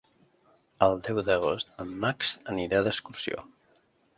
El deu d'agost en Max anirà d'excursió.